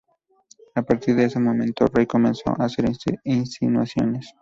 A partir de ese momento, Ray comenzó a hacer insinuaciones.